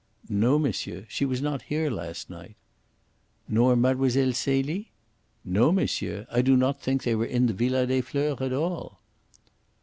"No, monsieur. She was not here last night." "Nor Mlle. Celie?" "No, monsieur! I do not think they were in the Villa des Fleurs at all."